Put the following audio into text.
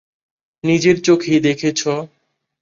নিজের চোখেই দেখেছো।